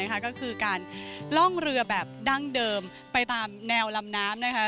ก็คือการล่องเรือแบบดั้งเดิมไปตามแนวลำน้ำนะคะ